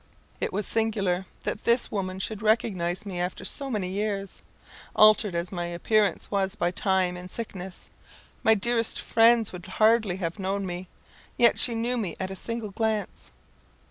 It was singular that this woman should recognise me after so many years. Altered as my appearance was by time and sickness, my dearest friends would hardly have known me, yet she knew me at a single glance.